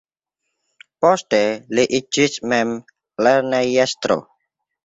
Poste li iĝis mem lernejestro.